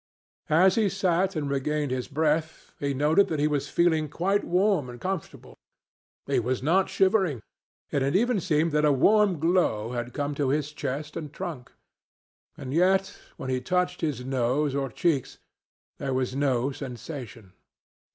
As he sat and regained his breath, he noted that he was feeling quite warm and comfortable. He was not shivering, and it even seemed that a warm glow had come to his chest and trunk. And yet, when he touched his nose or cheeks, there was no sensation.